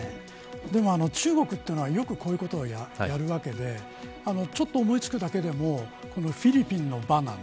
でも中国というのはよくこういうことをやるわけでちょっと思いつくだけでもフィリピンのバナナ。